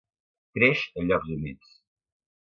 Creix en llocs humits.